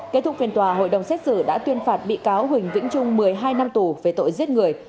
kết thúc phiên tòa hội đồng xét xử đã tuyên phạt bị cáo huỳnh vĩnh trung một mươi hai năm tù về tội giết người